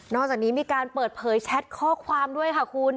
จากนี้มีการเปิดเผยแชทข้อความด้วยค่ะคุณ